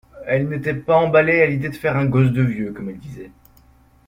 elle n’était pas emballée à l’idée de faire un gosse de vieux, comme elle disait.